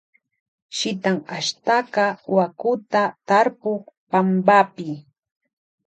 Shitan ashtaka wakuta tarpuk pampapi.